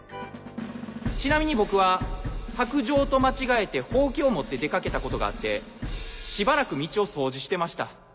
ちなみに僕は白杖と間違えてほうきを持って出掛けたことがあってしばらく道を掃除してました。